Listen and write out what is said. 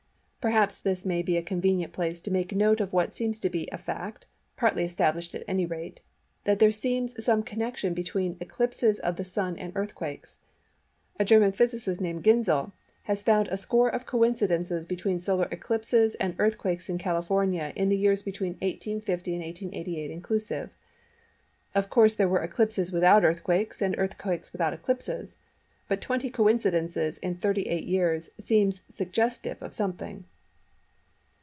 Perhaps this may be a convenient place to make a note of what seems to be a fact, partly established at any rate, even if not wholly established, namely—that there seems some connection between eclipses of the Sun and Earthquakes. A German physicist named Ginzel has found a score of coincidences between solar eclipses and earthquakes in California in the years between 1850 and 1888 inclusive. Of course there were eclipses without earthquakes and earthquakes without eclipses, but twenty coincidences in thirty eight years seems suggestive of something.